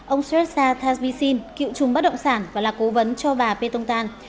ông sresa tasbisin cựu trùng bắt động sản và là cố vấn cho bà petong tan